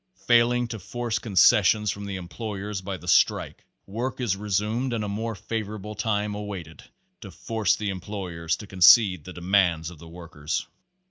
Failing to force concessions from the employers by the strike, work is resumed and a more favorable time awaited to force the employers to concede the demands of the workers.